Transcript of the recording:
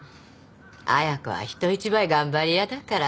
亜矢子は人一倍頑張り屋だから。